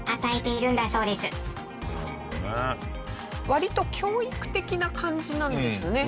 割と教育的な感じなんですね。